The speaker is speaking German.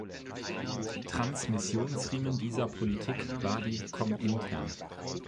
Transmissionsriemen dieser Politik war die Komintern.